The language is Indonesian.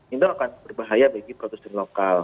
itu akan berbahaya bagi produsen lokal